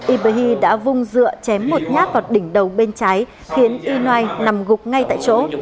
iberhi đã vung dựa chém một nhát vào đỉnh đầu bên trái khiến inoan nằm gục ngay tại chỗ